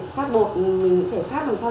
sát bột mình phải sát được sao